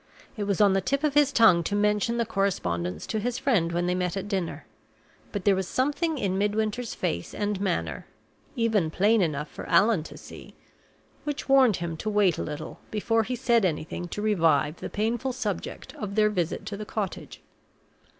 It was on the tip of his tongue to mention the correspondence to his friend when they met at dinner. But there was something in Midwinter's face and manner (even plain enough for Allan to see) which warned him to wait a little before he said anything to revive the painful subject of their visit to the cottage.